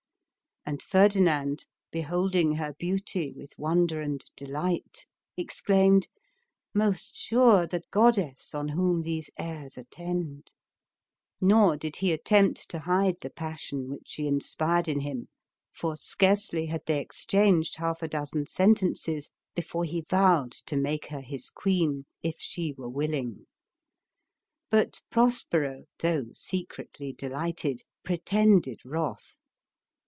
And Ferdinand, beholding her beauty with wonder and delight, exclaimed — "Most sure the goddess on whom these airs attend !"• Nor did he attempt to hide the passion which she inspired in him, for scarcely had they exchanged half a dozen sentences, be fore he vowed to make her his queen if she were willing. But Pros pero, though secretly delighted, pretended wrath.